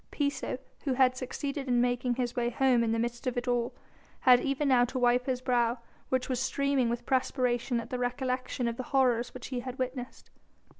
Piso, who had succeeded in making his way home in the midst of it all, had even now to wipe his brow, which was streaming with perspiration at the recollection of the horrors which he had witnessed.